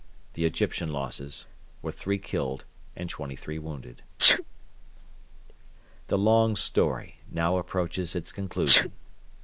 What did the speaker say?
The Egyptian losses were three killed and twenty three wounded. .......... The long story now approaches its conclusion.